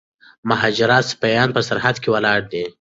د مهاراجا سپایان په سرحد کي ولاړ دي.